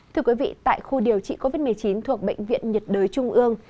thưa quý vị tại khu điều trị covid một mươi chín thuộc bệnh viện nhiệt đới trung ương